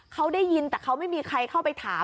เขาได้ยินแต่เขาไม่มีใครเข้าไปถาม